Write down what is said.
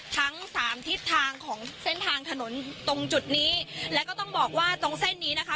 ทั้งสามทิศทางของเส้นทางถนนตรงจุดนี้แล้วก็ต้องบอกว่าตรงเส้นนี้นะคะ